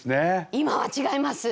今は違います。